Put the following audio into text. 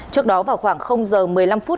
trước đó vào khoảng h một mươi năm phút